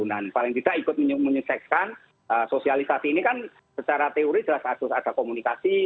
nah paling tidak ikut menyukseskan sosialisasi ini kan secara teori jelas harus ada komunikasi